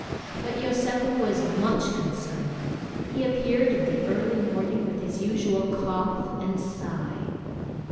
But Yosépu was much concerned. He appeared in the early morning with his usual cough and sigh.